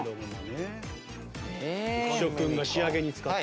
浮所君が仕上げに使った。